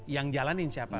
yang jalanin siapa